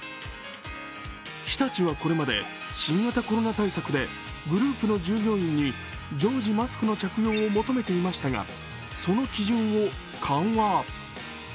日立はこれまで、新型コロナ対策でグループの従業員に常時マスクの着用を求めていましたがその基準を緩和。